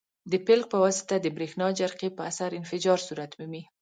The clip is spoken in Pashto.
په پلک په واسطه د برېښنا جرقې په اثر انفجار صورت مومي.